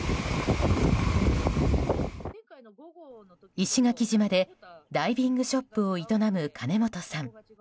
石垣島でダイビングショップを営む兼本さん。